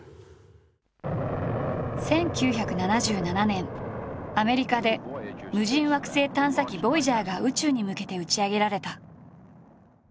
１９７７年アメリカで無人惑星探査機ボイジャーが宇宙に向けて打ち上げられた。